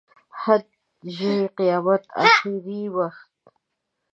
حد، ژۍ، قیامت، اخري وخت.